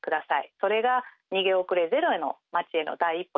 それが逃げ遅れゼロへの町への第一歩だと思います。